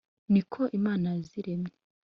ni ko imana yaziremye